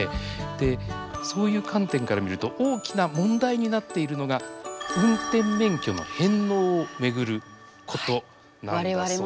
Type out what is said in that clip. でそういう観点から見ると大きな問題になっているのが運転免許の返納を巡ることなんだそうです。